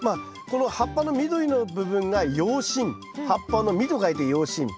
この葉っぱの緑の部分が葉身葉っぱの身と書いて葉身。